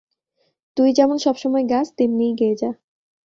তুই সব সময় যেমন গাস, তেমনই গেয়ে যা।